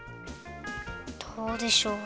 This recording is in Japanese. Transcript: どうでしょう？